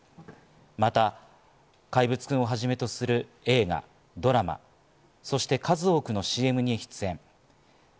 また『怪物くん』をはじめとする映画、ドラマ、そして数多くのＣＭに出演。